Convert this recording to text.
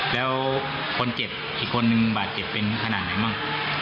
แล้วคนเจ็บอีกคนนึงบาดเจ็บเป็นขนาดไหนบ้าง